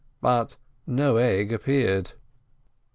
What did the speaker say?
But no egg appeared.